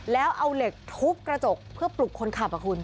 แล้วเอาเหล็กทุบกระจกเพื่อปลุกคนขับอ่ะคุณ